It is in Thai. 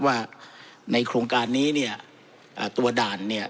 ว่าในโครงการนี้เนี่ยตัวด่านเนี่ย